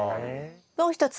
もう一つ。